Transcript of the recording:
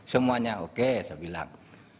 semuanya oke saya bilang